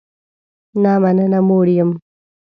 نه مننه، موړ یم